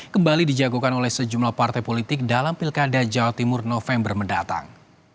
kembali dijagokan oleh sejumlah partai politik dalam pilkada jawa timur november mendatang